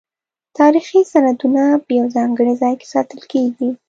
تاریخي سندونه په یو ځانګړي ځای کې ساتل کیږي.